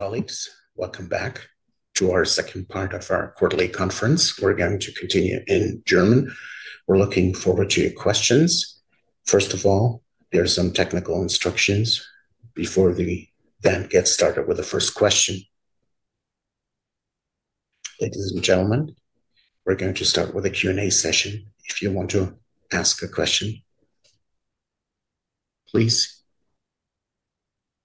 Colleagues, welcome back to our second part of our quarterly conference. We're going to continue in German. We're looking forward to your questions. First of all, there are some technical instructions before we then get started with the first question. Ladies and gentlemen, we're going to start with a Q&A session. If you want to ask a question, please.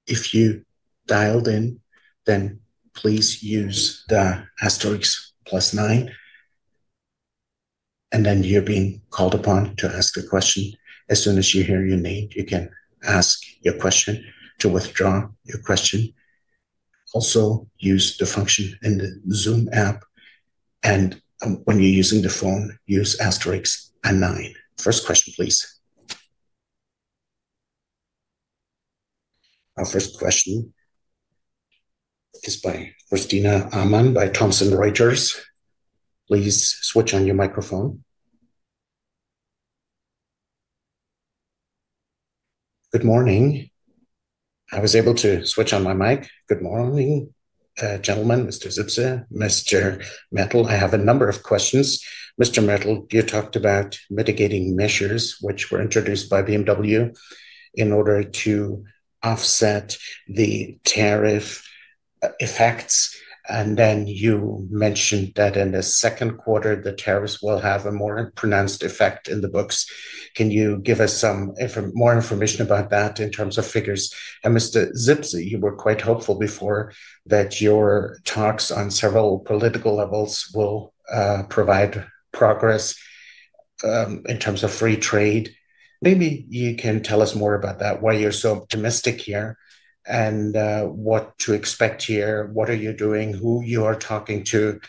If you dialed in, then please use the asterisk plus nine, and then you're being called upon to ask a question. As soon as you hear your name, you can ask your question. To withdraw your question, also use the function in the Zoom app, and when you're using the phone, use asterisk and nine. First question, please. Our first question is by Christina Amann by Thomson Reuters. Please switch on your microphone. Good morning. I was able to switch on my mic. Good morning, gentlemen, Mr. Zipse, Mr. Mertl. I have a number of questions. Mr. Mertl, you talked about mitigating measures which were introduced by BMW in order to offset the tariff effects, and then you mentioned that in the second quarter, the tariffs will have a more pronounced effect in the books. Can you give us some more information about that in terms of figures? Mr. Zipse, you were quite hopeful before that your talks on several political levels will provide progress in terms of free trade. Maybe you can tell us more about that, why you're so optimistic here, and what to expect here, what are you doing, who you are talking to,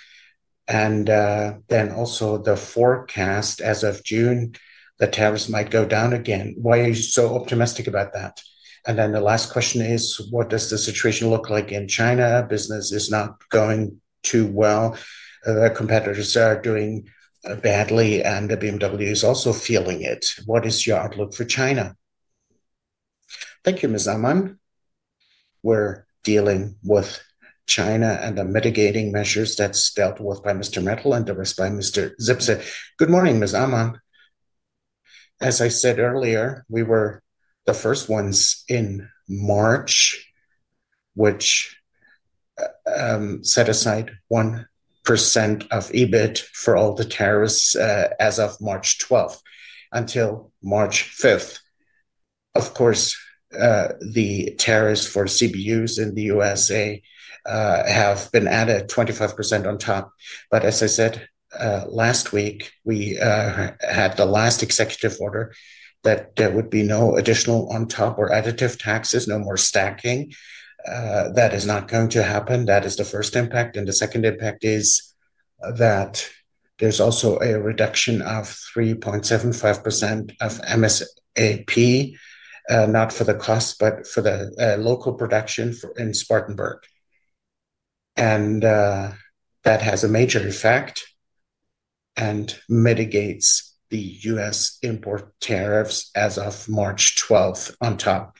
and also the forecast as of June, the tariffs might go down again. Why are you so optimistic about that? The last question is, what does the situation look like in China? Business is not going too well. The competitors are doing badly, and BMW is also feeling it. What is your outlook for China? Thank you, Ms. Ahman. We're dealing with China and the mitigating measures that's dealt with by Mr. Mertl and the rest by Mr. Zipse. Good morning, Ms. Ahman. As I said earlier, we were the first ones in March, which set aside 1% of EBIT for all the tariffs as of March 12th until March 5th. Of course, the tariffs for CBUs in the U.S.A. have been added 25% on top. As I said last week, we had the last executive order that there would be no additional on top or additive taxes, no more stacking. That is not going to happen. That is the first impact. The second impact is that there's also a reduction of 3.75% of mSAP, not for the cost, but for the local production in Spartanburg. That has a major effect and mitigates the U.S. import tariffs as of March 12th on top.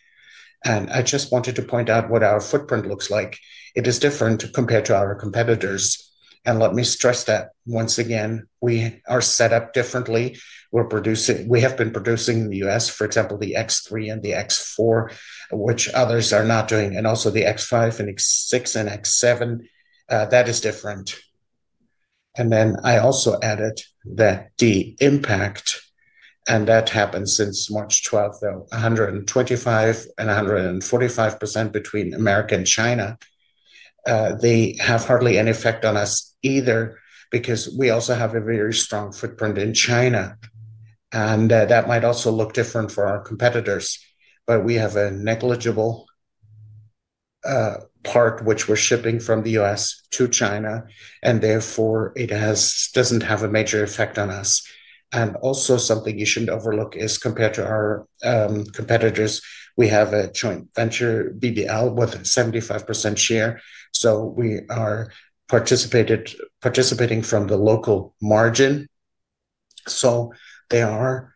I just wanted to point out what our footprint looks like. It is different compared to our competitors. Let me stress that once again, we are set up differently. We have been producing in the U.S., for example, the X3 and the X4, which others are not doing, and also the X5 and X6 and X7. That is different. I also added that the impact, and that happened since March 12th, though, 125% and 145% between America and China. They have hardly any effect on us either because we also have a very strong footprint in China. That might also look different for our competitors. We have a negligible part which we're shipping from the U.S. to China, and therefore it doesn't have a major effect on us. Also, something you shouldn't overlook is compared to our competitors, we have a joint venture, BBA, with a 75% share. So we are participating from the local margin. There are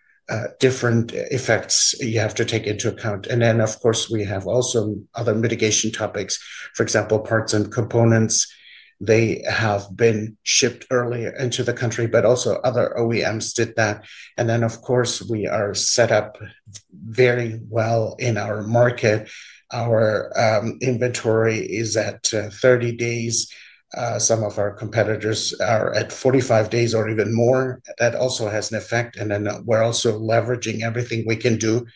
different effects you have to take into account. Of course, we have also other mitigation topics. For example, parts and components, they have been shipped earlier into the country, but also other OEMs did that. Of course, we are set up very well in our market. Our inventory is at 30 days. Some of our competitors are at 45 days or even more. That also has an effect. We are also leveraging everything we can do.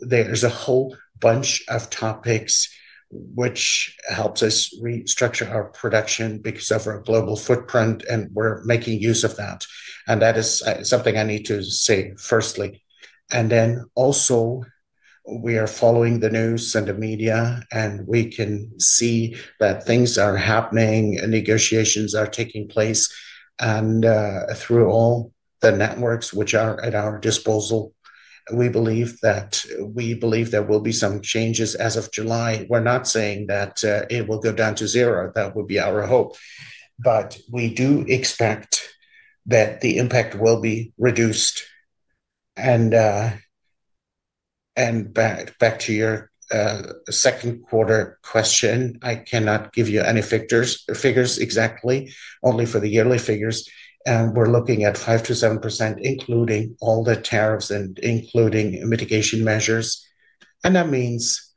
There is a whole bunch of topics which helps us restructure our production because of our global footprint, and we are making use of that. That is something I need to say firstly. Also, we are following the news and the media, and we can see that things are happening, and negotiations are taking place. Through all the networks which are at our disposal, we believe that there will be some changes as of July. We are not saying that it will go down to zero. That would be our hope. We do expect that the impact will be reduced. Back to your second quarter question, I cannot give you any figures exactly, only for the yearly figures. We are looking at 5-7%, including all the tariffs and including mitigation measures. That means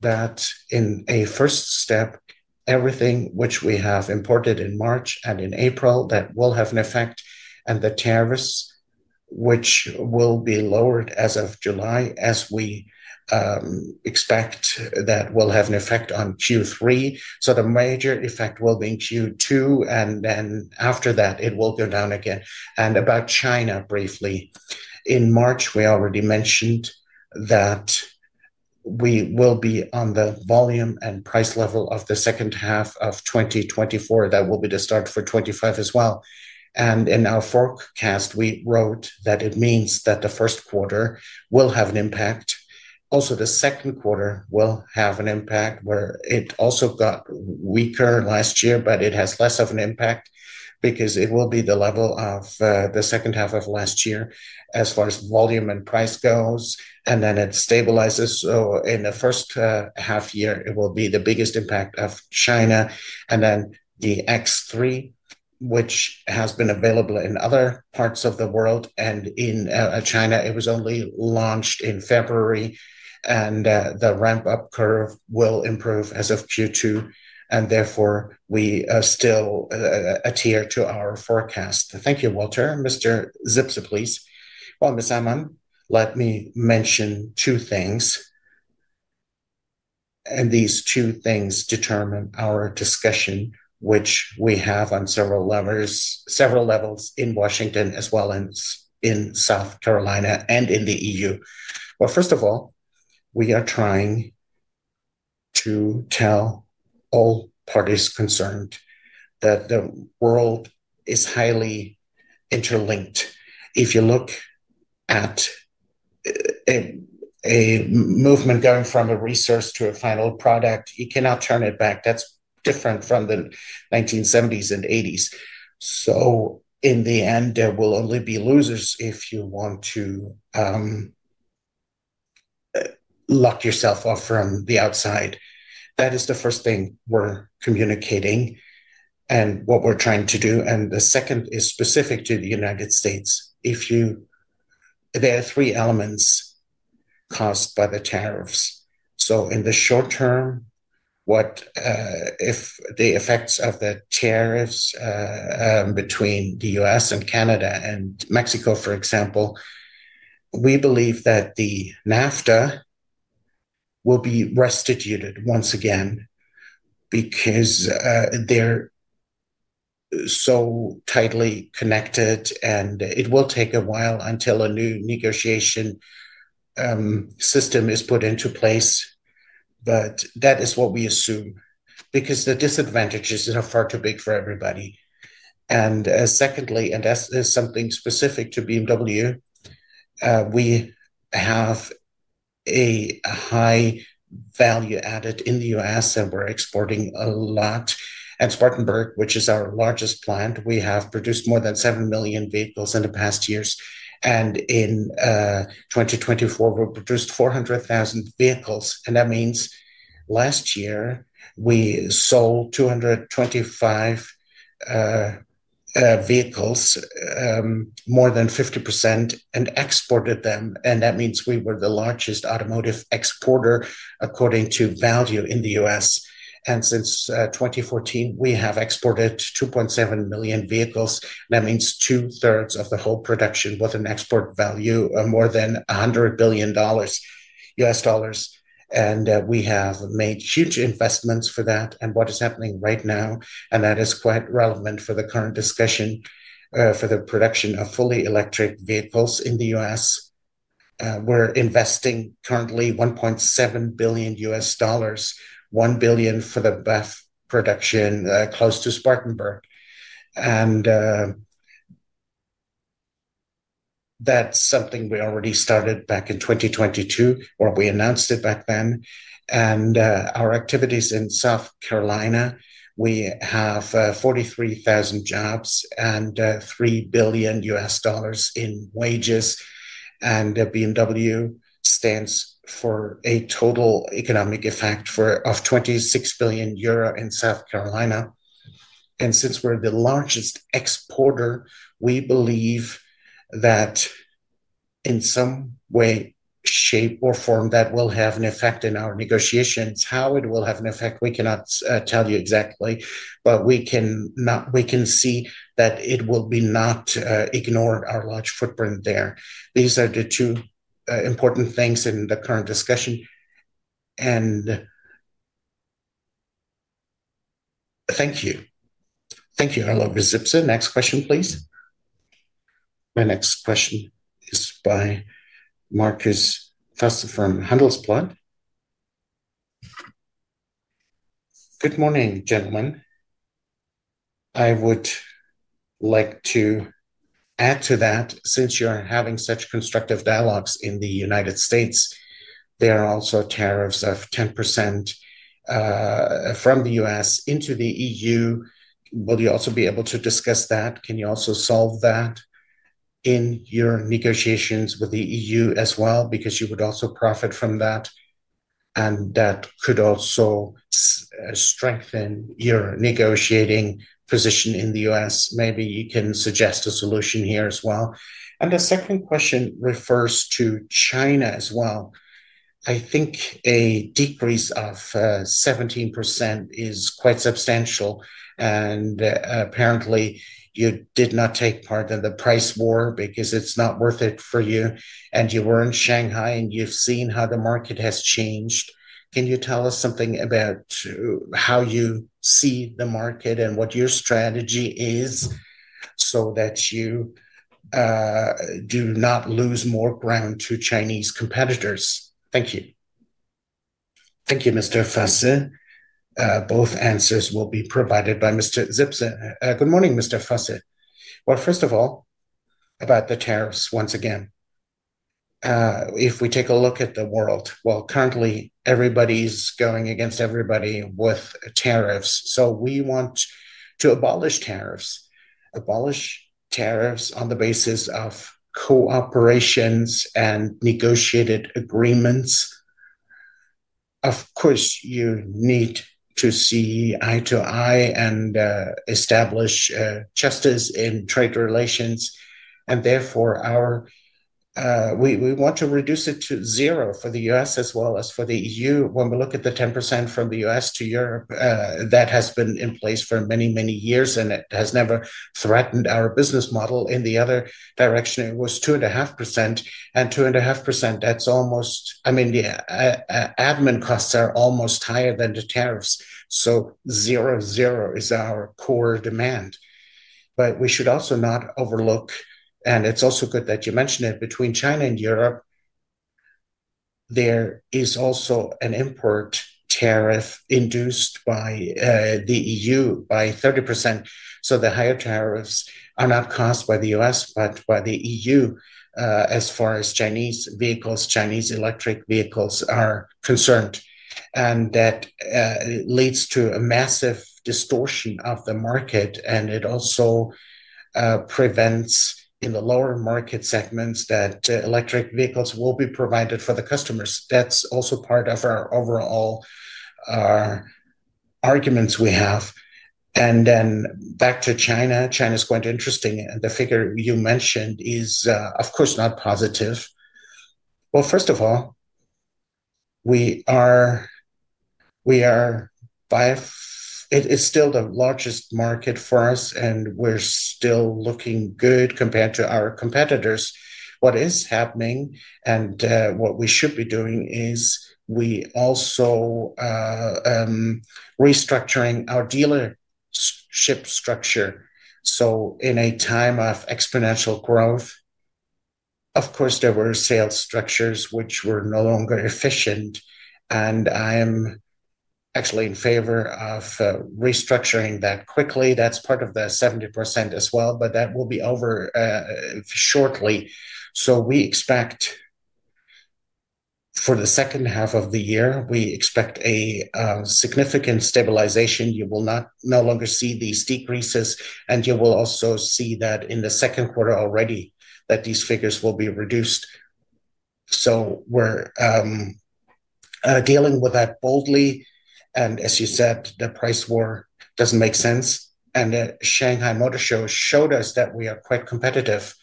that in a first step, everything which we have imported in March and in April, that will have an effect. The tariffs which will be lowered as of July, as we expect, that will have an effect on Q3. The major effect will be in Q2, and after that, it will go down again. About China briefly, in March, we already mentioned that we will be on the volume and price level of the second half of 2024. That will be the start for 2025 as well. In our forecast, we wrote that it means that the first quarter will have an impact. Also, the second quarter will have an impact where it also got weaker last year, but it has less of an impact because it will be the level of the second half of last year as far as volume and price goes. It stabilizes. In the first half year, it will be the biggest impact of China. The X3, which has been available in other parts of the world and in China, was only launched in February. The ramp-up curve will improve as of Q2. Therefore, we still adhere to our forecast. Thank you, Walter. Mr. Zipse, please. Ms. Ahman, let me mention two things. These two things determine our discussion, which we have on several levels in Washington as well as in South Carolina and in the EU. First of all, we are trying to tell all parties concerned that the world is highly interlinked. If you look at a movement going from a resource to a final product, you cannot turn it back. That is different from the 1970s and 1980s. In the end, there will only be losers if you want to lock yourself off from the outside. That is the first thing we are communicating and what we are trying to do. The second is specific to the United States. There are three elements caused by the tariffs. In the short term, if the effects of the tariffs between the U.S. and Canada and Mexico, for example, we believe that the NAFTA will be restituted once again because they are so tightly connected. It will take a while until a new negotiation system is put into place. That is what we assume because the disadvantages are far too big for everybody. Secondly, and this is something specific to BMW, we have a high value added in the U.S., and we're exporting a lot. At Spartanburg, which is our largest plant, we have produced more than 7 million vehicles in the past years. In 2024, we produced 400,000 vehicles. That means last year, we sold 225,000 vehicles, more than 50%, and exported them. That means we were the largest automotive exporter according to value in the U.S. Since 2014, we have exported 2.7 million vehicles. That means two-thirds of the whole production was an export value of more than $100 billion. We have made huge investments for that and what is happening right now. That is quite relevant for the current discussion for the production of fully electric vehicles in the U.S. We're investing currently $1.7 billion, $1 billion for the BEV production close to Spartanburg. That is something we already started back in 2022, or we announced it back then. Our activities in South Carolina, we have 43,000 jobs and $3 billion in wages. BMW stands for a total economic effect of 26 billion euro in South Carolina. Since we're the largest exporter, we believe that in some way, shape, or form, that will have an effect in our negotiations. How it will have an effect, we cannot tell you exactly, but we can see that it will not ignore our large footprint there. These are the two important things in the current discussion. Thank you. Thank you, Oliver Zipse. Next question, please. My next question is by Markus Fasse from Handelsblatt. Good morning, gentlemen. I would like to add to that, since you're having such constructive dialogues in the United States, there are also tariffs of 10% from the U.S. into the EU. Will you also be able to discuss that? Can you also solve that in your negotiations with the EU as well? Because you would also profit from that, and that could also strengthen your negotiating position in the U.S. Maybe you can suggest a solution here as well. The second question refers to China as well. I think a decrease of 17% is quite substantial. Apparently, you did not take part in the price war because it's not worth it for you. You were in Shanghai, and you've seen how the market has changed. Can you tell us something about how you see the market and what your strategy is so that you do not lose more ground to Chinese competitors? Thank you. Thank you, Mr. Fasse. Both answers will be provided by Mr. Zipse. Good morning, Mr. Fasse. First of all, about the tariffs once again. If we take a look at the world, currently, everybody's going against everybody with tariffs. We want to abolish tariffs, abolish tariffs on the basis of cooperations and negotiated agreements. Of course, you need to see eye to eye and establish justice in trade relations. Therefore, we want to reduce it to zero for the U.S. as well as for the EU. When we look at the 10% from the U.S. to Europe, that has been in place for many, many years, and it has never threatened our business model. In the other direction, it was 2.5%. And 2.5%, that's almost, I mean, the admin costs are almost higher than the tariffs. Zero-zero is our core demand. We should also not overlook, and it's also good that you mentioned it, between China and Europe, there is also an import tariff induced by the EU by 30%. The higher tariffs are not caused by the U.S., but by the EU as far as Chinese vehicles, Chinese electric vehicles are concerned. That leads to a massive distortion of the market. It also prevents in the lower market segments that electric vehicles will be provided for the customers. That's also part of our overall arguments we have. Back to China, China's quite interesting. The figure you mentioned is, of course, not positive. First of all, we are by it is still the largest market for us, and we're still looking good compared to our competitors. What is happening and what we should be doing is we also restructuring our dealership structure. In a time of exponential growth, of course, there were sales structures which were no longer efficient. I am actually in favor of restructuring that quickly. That is part of the 70% as well, but that will be over shortly. We expect for the second half of the year, we expect a significant stabilization. You will no longer see these decreases, and you will also see that in the second quarter already that these figures will be reduced. We are dealing with that boldly. As you said, the price war doesn't make sense. The Shanghai Motor Show showed us that we are quite competitive.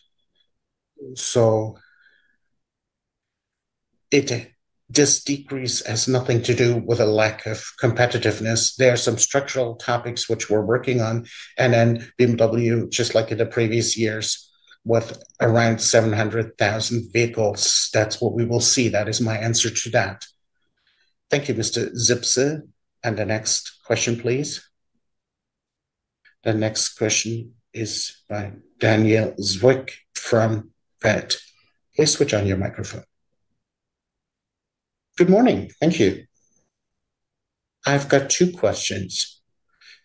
This decrease has nothing to do with a lack of competitiveness. There are some structural topics which we're working on. Then BMW, just like in the previous years, with around 700,000 vehicles. That's what we will see. That is my answer to that. Thank you, Mr. Zipse. The next question, please. The next question is by Daniel Zwick from WELT. Please switch on your microphone. Good morning. Thank you. I've got two questions.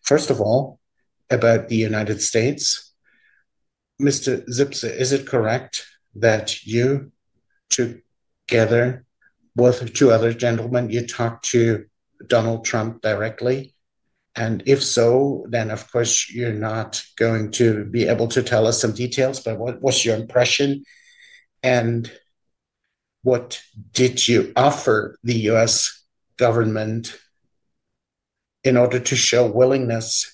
First of all, about the United States. Mr. Zipse, is it correct that you together with two other gentlemen, you talked to Donald Trump directly? If so, then of course, you're not going to be able to tell us some details, but what's your impression? What did you offer the U.S. government in order to show willingness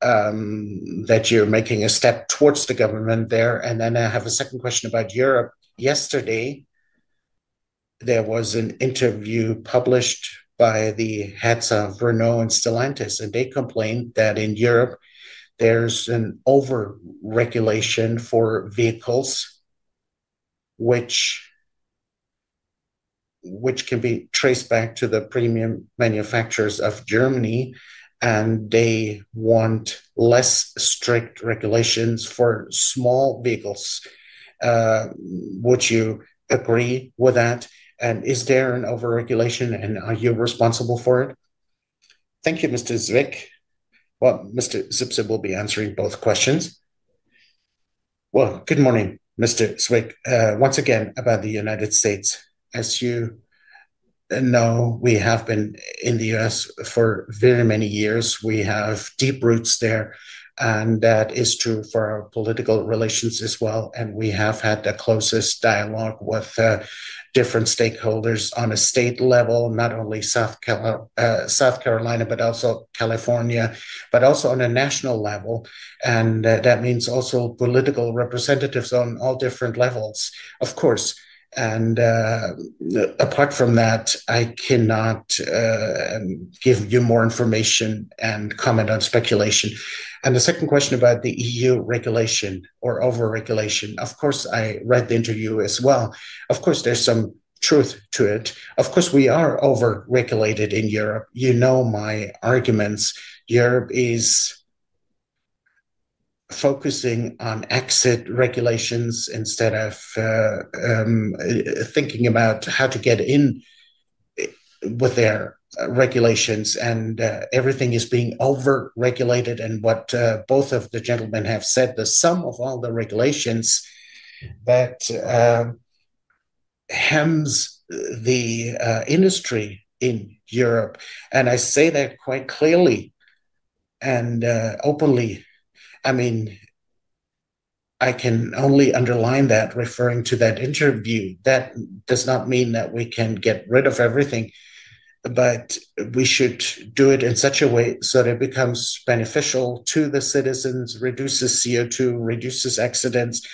that you're making a step towards the government there? I have a second question about Europe. Yesterday, there was an interview published by the heads of Renault and Stellantis, and they complained that in Europe, there is an over-regulation for vehicles, which can be traced back to the premium manufacturers of Germany, and they want less strict regulations for small vehicles. Would you agree with that? Is there an over-regulation, and are you responsible for it? Thank you, Mr. Zwick. Mr. Zipse will be answering both questions. Good morning, Mr. Zwick. Once again, about the United States. As you know, we have been in the U.S. for very many years. We have deep roots there. That is true for our political relations as well. We have had the closest dialogue with different stakeholders on a state level, not only South Carolina, but also California, but also on a national level. That means also political representatives on all different levels, of course. Apart from that, I cannot give you more information and comment on speculation. The second question about the EU regulation or over-regulation. Of course, I read the interview as well. Of course, there is some truth to it. Of course, we are over-regulated in Europe. You know my arguments. Europe is focusing on exit regulations instead of thinking about how to get in with their regulations. Everything is being over-regulated. What both of the gentlemen have said, the sum of all the regulations that hems the industry in Europe. I say that quite clearly and openly. I mean, I can only underline that referring to that interview. That does not mean that we can get rid of everything, but we should do it in such a way so that it becomes beneficial to the citizens, reduces CO2, reduces accidents.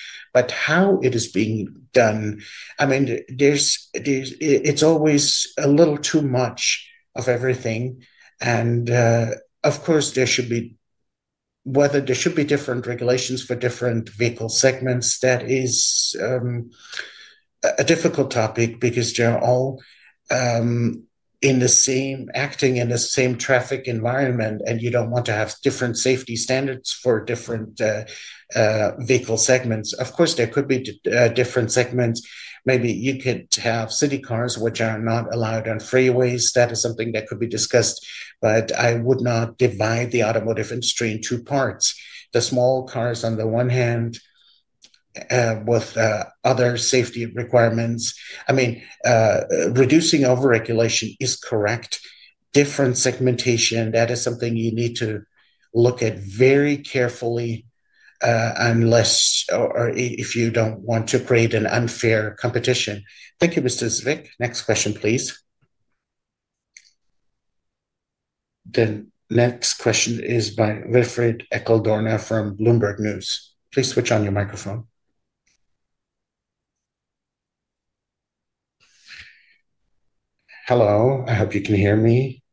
How it is being done, I mean, it's always a little too much of everything. Of course, there should be whether there should be different regulations for different vehicle segments. That is a difficult topic because you're all acting in the same traffic environment, and you don't want to have different safety standards for different vehicle segments. Of course, there could be different segments. Maybe you could have city cars which are not allowed on freeways. That is something that could be discussed. I would not divide the automotive industry in two parts. The small cars on the one hand with other safety requirements. I mean, reducing over-regulation is correct. Different segmentation, that is something you need to look at very carefully unless or if you do not want to create an unfair competition. Thank you, Mr. Zwick. Next question, please. The next question is by Wilfried Eckl-Dorna from Bloomberg News. Please switch on your microphone. Hello. I hope you can hear me.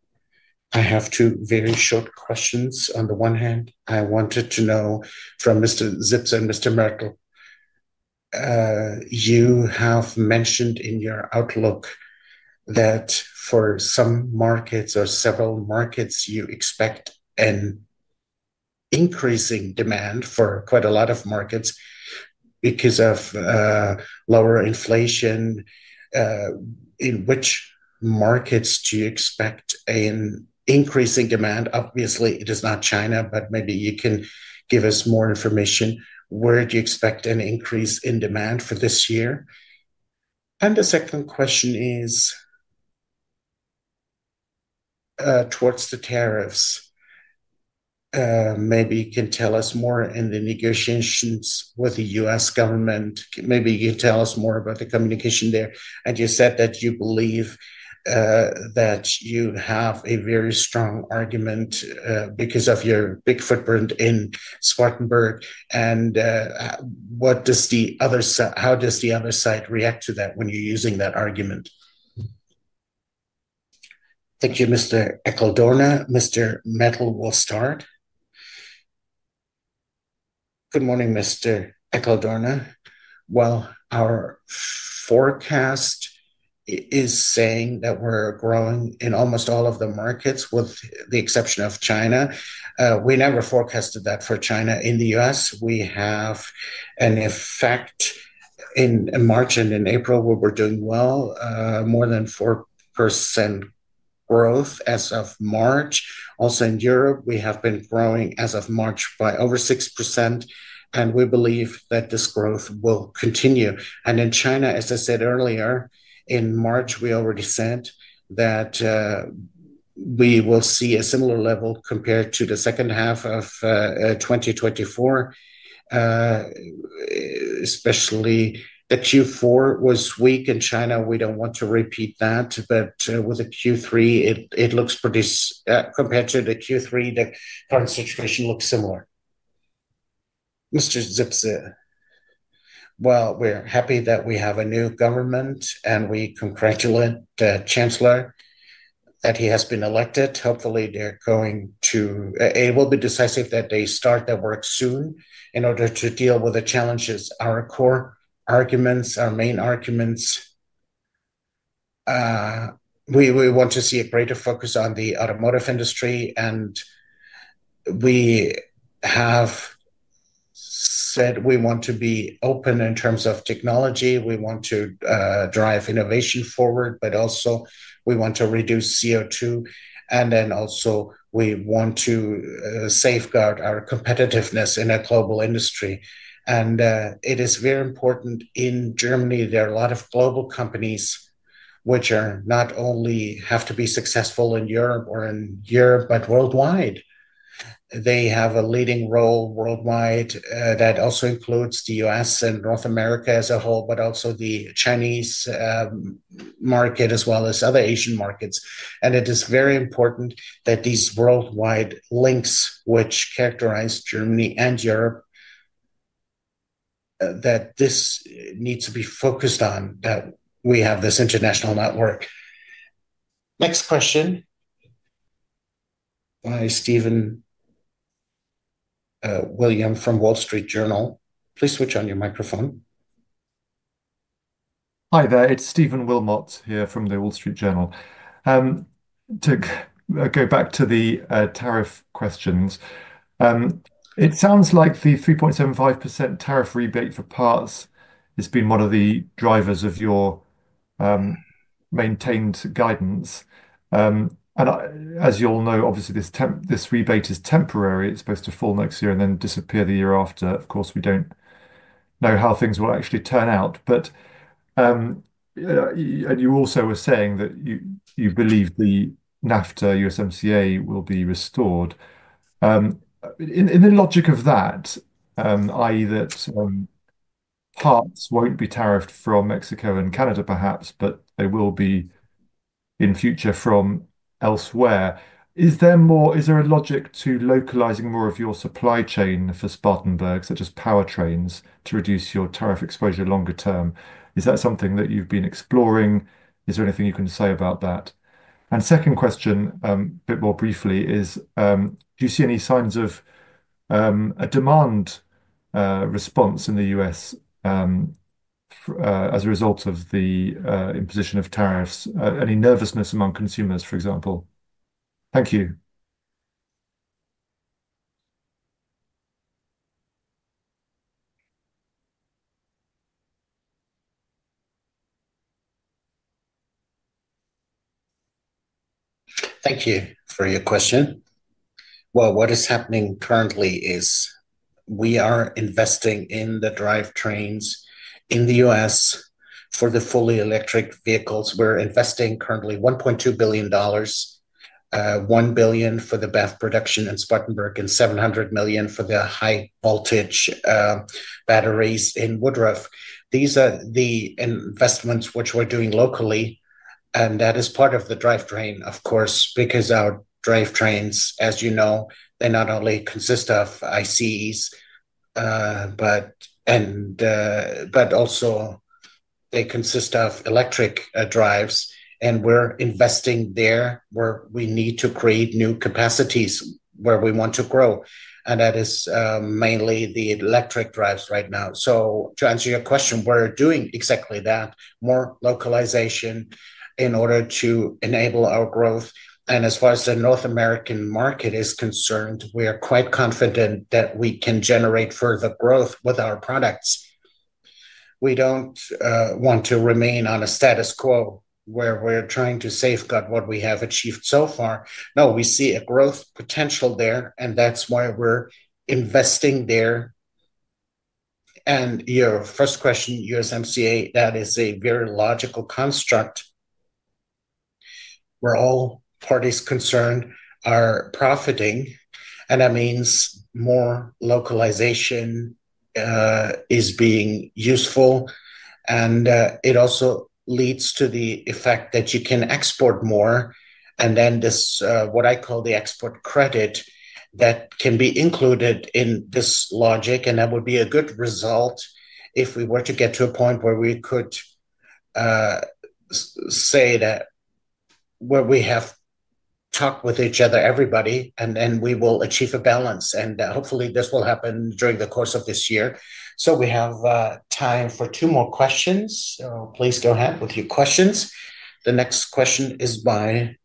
I have two very short questions. On the one hand, I wanted to know from Mr. Zipse and Mr. Mertl, you have mentioned in your outlook that for some markets or several markets, you expect an increasing demand for quite a lot of markets because of lower inflation. In which markets do you expect an increasing demand? Obviously, it is not China, but maybe you can give us more information. Where do you expect an increase in demand for this year? The second question is towards the tariffs. Maybe you can tell us more in the negotiations with the U.S. government. Maybe you can tell us more about the communication there. You said that you believe that you have a very strong argument because of your big footprint in Spartanburg. How does the other side react to that when you're using that argument? Thank you, Mr. Eckl-Dorna. Mr. Mertl will start. Good morning, Mr. Eckl-Dorna. Our forecast is saying that we're growing in almost all of the markets with the exception of China. We never forecasted that for China. In the U.S., we have an effect in March and in April where we're doing well, more than 4% growth as of March. Also in Europe, we have been growing as of March by over 6%. We believe that this growth will continue. In China, as I said earlier, in March, we already said that we will see a similar level compared to the second half of 2024, especially the Q4 was weak in China. We do not want to repeat that. With the Q3, it looks pretty, compared to the Q3, the current situation looks similar. Mr. Zipse, we are happy that we have a new government, and we congratulate the Chancellor that he has been elected. Hopefully, it will be decisive that they start their work soon in order to deal with the challenges. Our core arguments, our main arguments, we want to see a greater focus on the automotive industry. We have said we want to be open in terms of technology. We want to drive innovation forward, but also we want to reduce CO2. We want to safeguard our competitiveness in a global industry. It is very important in Germany. There are a lot of global companies which not only have to be successful in Europe, but worldwide. They have a leading role worldwide that also includes the U.S. and North America as a whole, but also the Chinese market as well as other Asian markets. It is very important that these worldwide links, which characterize Germany and Europe, need to be focused on, that we have this international network. Next question by Stephen William from Wall Street Journal. Please switch on your microphone. Hi there. It's Stephen Wilmot here from the Wall Street Journal. To go back to the tariff questions, it sounds like the 3.75% tariff rebate for parts has been one of the drivers of your maintained guidance. As you all know, obviously, this rebate is temporary. It is supposed to fall next year and then disappear the year after. Of course, we do not know how things will actually turn out. You also were saying that you believe the NAFTA, USMCA will be restored. In the logic of that, i.e., that parts will not be tariffed from Mexico and Canada perhaps, but they will be in future from elsewhere. Is there a logic to localizing more of your supply chain for Spartanburg, such as powertrains, to reduce your tariff exposure longer term? Is that something that you have been exploring? Is there anything you can say about that? Second question, a bit more briefly, is do you see any signs of a demand response in the U.S. as a result of the imposition of tariffs? Any nervousness among consumers, for example? Thank you. Thank you for your question. What is happening currently is we are investing in the drivetrains in the U.S. for the fully electric vehicles. We're investing currently $1.2 billion, $1 billion for the BEV production in Spartanburg, and $700 million for the high-voltage batteries in Woodruff. These are the investments which we're doing locally. That is part of the drivetrain, of course, because our drivetrains, as you know, they not only consist of ICEs, but also they consist of electric drives. We're investing there where we need to create new capacities where we want to grow. That is mainly the electric drives right now. To answer your question, we're doing exactly that, more localization in order to enable our growth. As far as the North American market is concerned, we are quite confident that we can generate further growth with our products. We do not want to remain on a status quo where we are trying to safeguard what we have achieved so far. No, we see a growth potential there, and that is why we are investing there. Your first question, USMCA, that is a very logical construct. We are all parties concerned profiting. That means more localization is being useful. It also leads to the effect that you can export more. This, what I call the export credit, can be included in this logic. That would be a good result if we were to get to a point where we could say that where we have talked with each other, everybody, and we will achieve a balance. Hopefully, this will happen during the course of this year. We have time for two more questions. Please go ahead with your questions. The next question is by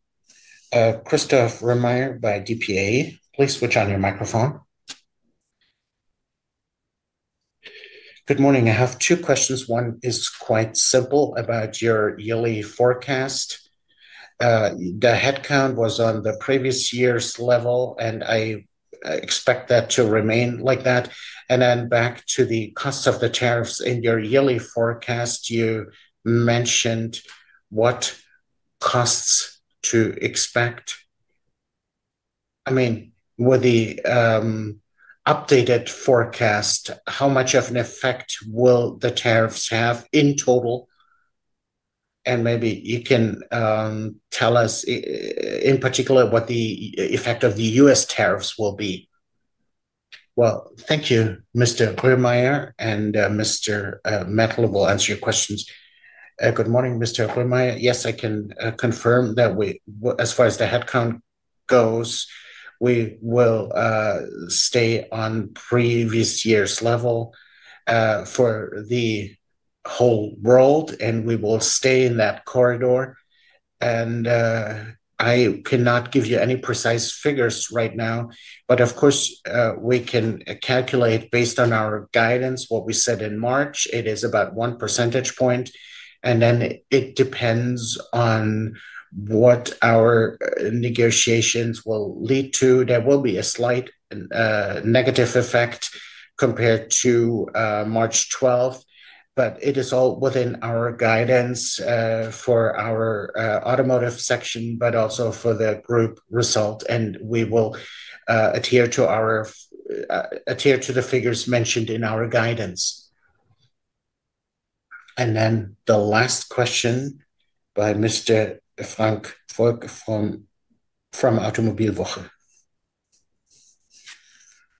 Christoph Meyer by DPA. Please switch on your microphone. Good morning. I have two questions. One is quite simple about your yearly forecast. The headcount was on the previous year's level, and I expect that to remain like that. Back to the cost of the tariffs in your yearly forecast, you mentioned what costs to expect. I mean, with the updated forecast, how much of an effect will the tariffs have in total? Maybe you can tell us in particular what the effect of the U.S. tariffs will be. Thank you, Mr. Meyer. Mr. Mertl will answer your questions. Good morning, Mr. Meyer. Yes, I can confirm that as far as the headcount goes, we will stay on previous year's level for the whole world, and we will stay in that corridor. I cannot give you any precise figures right now. Of course, we can calculate based on our guidance, what we said in March. It is about one percentage point. It depends on what our negotiations will lead to. There will be a slight negative effect compared to March 12th. It is all within our guidance for our automotive section, but also for the group result. We will adhere to the figures mentioned in our guidance. The last question by Mr. Frank Volk from Automobilwoche.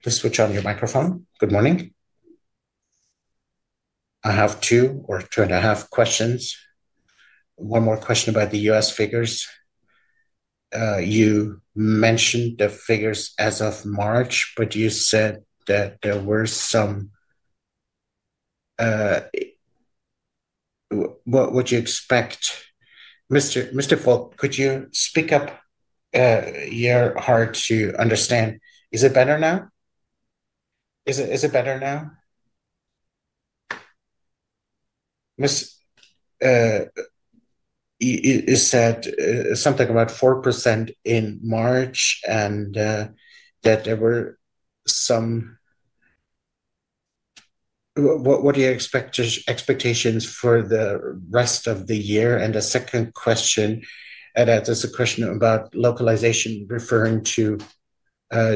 Please switch on your microphone. Good morning. I have two or two and a half questions. One more question about the U.S. figures. You mentioned the figures as of March, but you said that there were some what would you expect? Mr. Volk, could you speak up, you are hard to understand. Is it better now? Is it better now? You said something about 4% in March and that there were some. What are your expectations for the rest of the year? The second question, and that is a question about localization referring to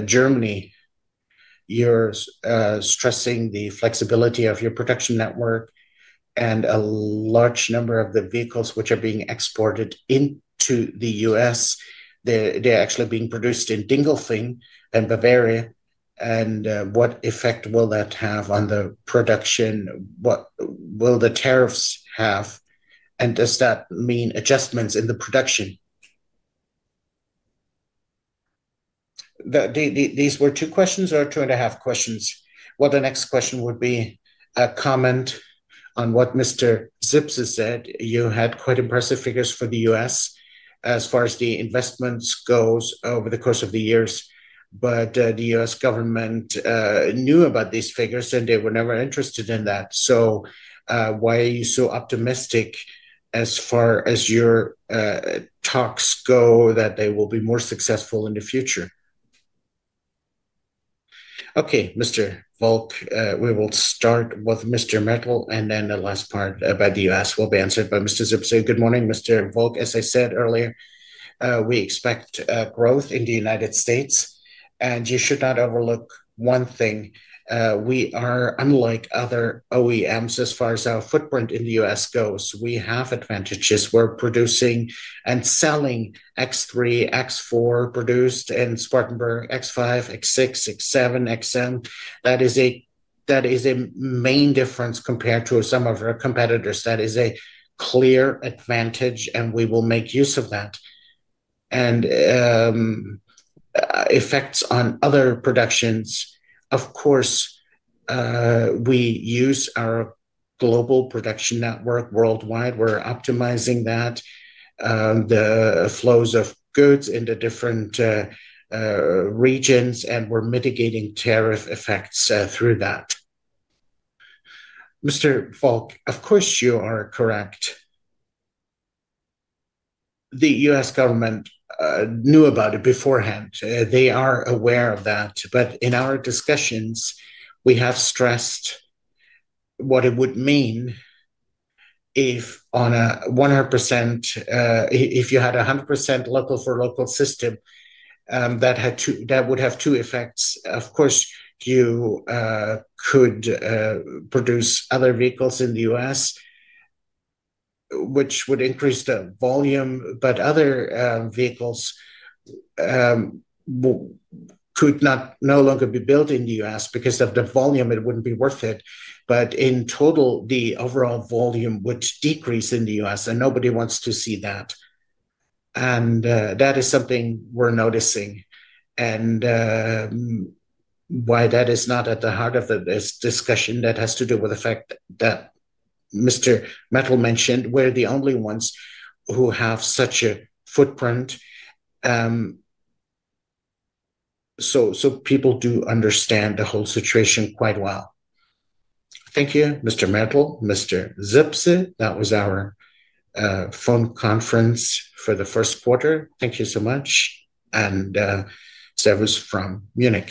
Germany. You're stressing the flexibility of your production network and a large number of the vehicles which are being exported into the U.S. They're actually being produced in Dingolfing and Bavaria. What effect will that have on the production? What will the tariffs have? Does that mean adjustments in the production? These were two questions or two and a half questions. The next question would be a comment on what Mr. Zipse said. You had quite impressive figures for the U.S. as far as the investments go over the course of the years. The U.S. government knew about these figures, and they were never interested in that. Why are you so optimistic as far as your talks go that they will be more successful in the future? Okay, Mr. Volk, we will start with Mr. Mertl, and then the last part about the U.S. will be answered by Mr. Zipse. Good morning, Mr. Volk. As I said earlier, we expect growth in the United States. You should not overlook one thing. We are, unlike other OEMs as far as our footprint in the U.S. goes, we have advantages. We are producing and selling X3, X4 produced in Spartanburg, X5, X6, X7, X7. That is a main difference compared to some of our competitors. That is a clear advantage, and we will make use of that. Effects on other productions. Of course, we use our global production network worldwide. We're optimizing that, the flows of goods in the different regions, and we're mitigating tariff effects through that. Mr. Volk, of course, you are correct. The U.S. government knew about it beforehand. They are aware of that. In our discussions, we have stressed what it would mean if on a 100% if you had a 100% local-for-local system, that would have two effects. Of course, you could produce other vehicles in the U.S., which would increase the volume, but other vehicles could no longer be built in the U.S. because of the volume. It would not be worth it. In total, the overall volume would decrease in the U.S., and nobody wants to see that. That is something we're noticing. Why that is not at the heart of this discussion, that has to do with the fact that Mr. Mertl mentioned we're the only ones who have such a footprint. People do understand the whole situation quite well. Thank you, Mr. Mertl, Mr. Zipse. That was our phone conference for the first quarter. Thank you so much. Service from Munich.